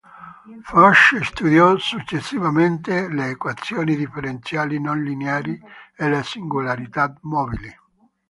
Fuchs studiò successivamente le equazioni differenziali non lineari e le singolarità mobili.